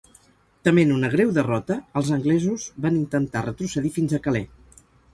Tement una greu derrota, els anglesos van intentar retrocedir fins a Calais.